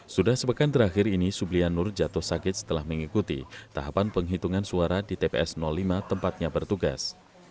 sudah sepekan terakhir ini sublianur jatuh sakit setelah mengikuti tahapan penghitungan suara di tps lima tempatnya bertugas